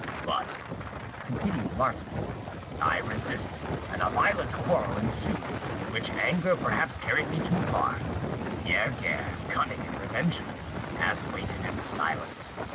"But," continued Martin, "I resisted, and a violent quarrel ensued, in which anger perhaps carried me too far; Pierre Guerre, cunning and revengeful, has waited in silence.